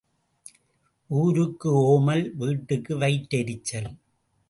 ஊருக்கு ஓமல் வீட்டுக்கு வயிற்றெரிச்சல்.